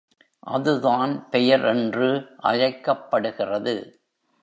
அதுதான் பெயர் என்று அழைக்கப்படுகிறது.